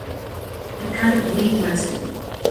I can’t believe myself.